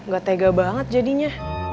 gak tega banget jadinya